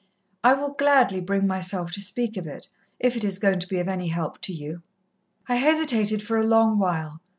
I will gladly bring myself to speak of it, if it is going to be of any help to you. I hesitated for a long while.